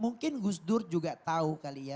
mungkin gus dur juga tahu kali ya